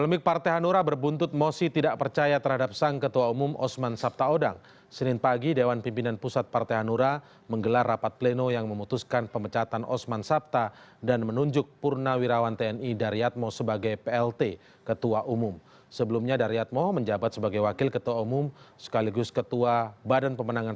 mengajukan mosi tidak percaya terhadap usman sabtaodang